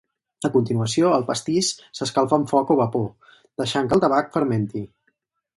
A continuació, el pastís s'escalfa amb foc o vapor, deixant que el tabac fermenti.